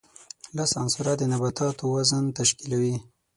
لس عنصره د نباتاتو وزن تشکیلوي.